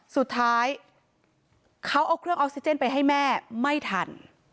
สุดท้ายเขาเอาเครื่องออกซิเจนไปให้แม่ไม่ทัน